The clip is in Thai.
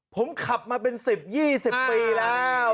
ผมขับมาเป็น๑๐๒๐ปีแล้ว